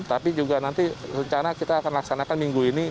tapi juga nanti rencana kita akan laksanakan minggu ini